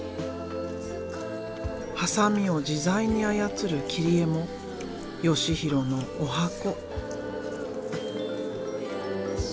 ハサミを自在に操る「切り絵」も義紘のおはこ。